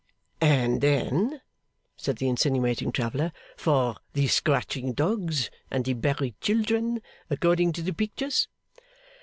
'And then,' said the insinuating traveller, 'for the scratching dogs and the buried children, according to the pictures!